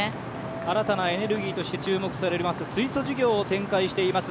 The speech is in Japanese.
新たなエネルギーとして注目されます水素事業を展開しています